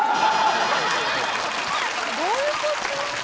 どういうこと？